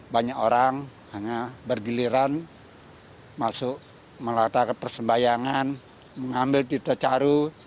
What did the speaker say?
banyak orang hanya bergiliran masuk melakukan persembahyangan mengambil titik caru